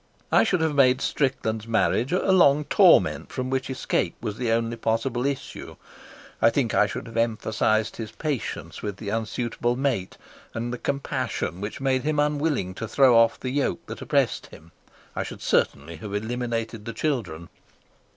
I should have made Strickland's marriage a long torment from which escape was the only possible issue. I think I should have emphasised his patience with the unsuitable mate, and the compassion which made him unwilling to throw off the yoke that oppressed him. I should certainly have eliminated the children.